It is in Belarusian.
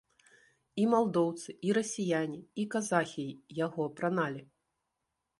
І малдоўцы, і расіяне, і казахі яго апраналі.